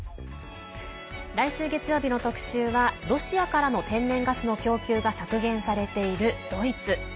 来週、月曜日の特集はロシアからの天然ガスの供給が削減されているドイツ。